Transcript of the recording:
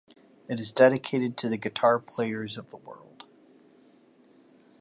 It is dedicated to the guitar players of the world.